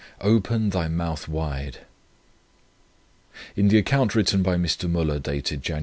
"OPEN THY MOUTH WIDE." In the account written by Mr. Müller dated Jan.